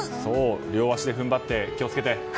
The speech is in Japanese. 両足で踏ん張って、気を付けて。